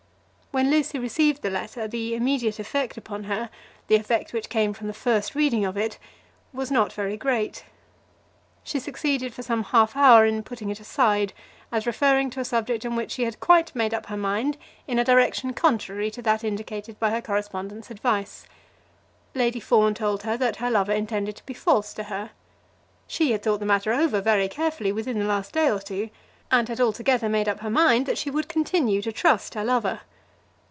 When Lucy received the letter, the immediate effect upon her, the effect which came from the first reading of it, was not very great. She succeeded for some half hour in putting it aside, as referring to a subject on which she had quite made up her mind in a direction contrary to that indicated by her correspondent's advice. Lady Fawn told her that her lover intended to be false to her. She had thought the matter over very carefully within the last day or two, and had altogether made up her mind that she would continue to trust her lover.